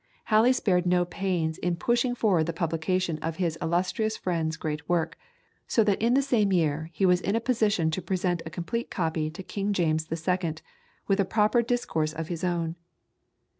Halley spared no pains in pushing forward the publication of his illustrious friend's great work, so that in the same year he was in a position to present a complete copy to King James II., with a proper discourse of his own.